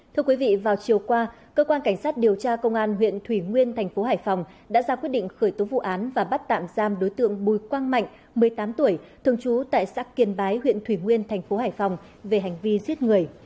thưa quý vị vào chiều qua cơ quan cảnh sát điều tra công an huyện thủy nguyên thành phố hải phòng đã ra quyết định khởi tố vụ án và bắt tạm giam đối tượng bùi quang mạnh một mươi tám tuổi thường trú tại xã kiên bái huyện thủy nguyên thành phố hải phòng về hành vi giết người